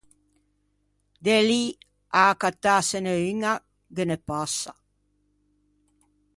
De lì à accattâsene uña ghe ne passa!